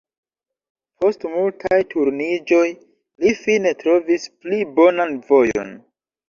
Post multaj turniĝoj li fine trovis pli bonan vojon.